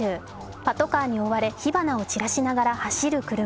パトカーに追われ、火花を散らしながら走る車。